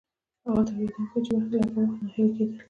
هغه تولیدونکي چې وخت یې لګاوه ناهیلي کیدل.